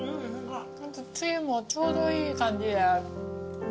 つゆもちょうどいい感じで。